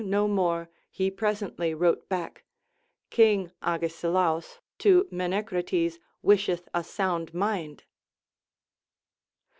no more, he presently wrote back : King Agesilaus to Menecrates wisheth a sound mind.